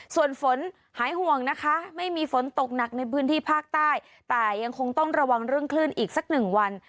ส่วนฝนหายห่วงนะคะไม่มีฝนตกหนักในพื้นที่ภาคใต้แต่ยังคงต้องระวังเรื่องคลื่นอีกสักหนึ่งวัน